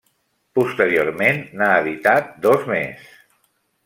Posteriorment n'ha editat dos més.